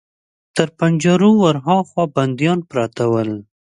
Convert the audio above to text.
تر پنجرو ور هاخوا بنديان پراته ول.